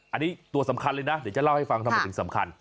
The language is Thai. อันนี้ตัวสำคัญเลยนะเดี๋ยวจะเล่าให้ฟังทำไมถึงสำคัญ